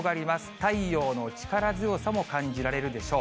太陽の力強さも感じられるでしょう。